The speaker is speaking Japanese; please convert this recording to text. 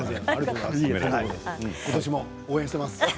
今年も応援しています。